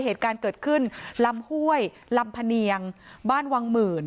เหตุการณ์เกิดขึ้นลำห้วยลำพะเนียงบ้านวังหมื่น